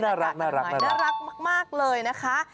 น่ารักน่ารักน่ารักน่ารักมากเลยนะคะ